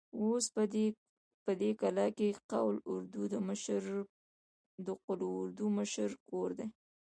اوس په دې کلا کې د قول اردو د مشر کور دی.